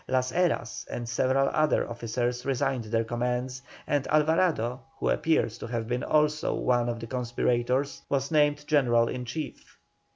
Las Heras and several other officers resigned their commands, and Alvarado, who appears to have been also one of the conspirators, was named General in Chief.